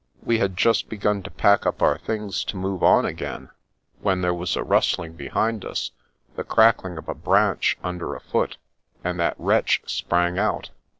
We had just begun to pack up our things to move on again, when there was a rustling behind us, the crackling of a branch under a foot, and that wretch sprang out.